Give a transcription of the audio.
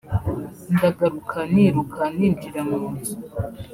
ndagaruka niruka ninjira mu nzu